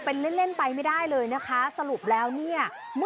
เป็นตัวนี้